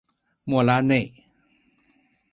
莫拉内。